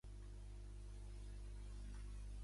L'Ekahi fa cara d'espant.